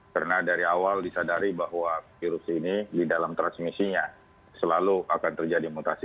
karena dari awal disadari bahwa virus ini di dalam transmisinya selalu akan terjadi mutasi